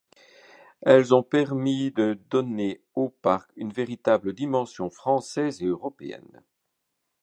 Elles ont permis de donner au parc une véritable dimension française et européenne.